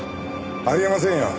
あり得ませんよ。